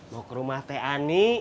mau ke rumah tni ani